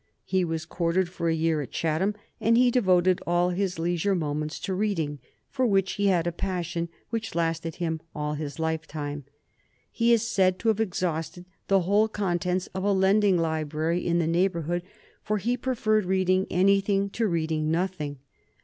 He was quartered for a year at Chatham, and he devoted all his leisure moments to reading, for which he had a passion which lasted him all his lifetime. He is said to have exhausted the whole contents of a lending library in the neighborhood, for he preferred reading anything to reading nothing.